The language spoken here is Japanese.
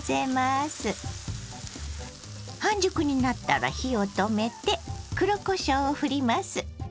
半熟になったら火を止めて黒こしょうをふります。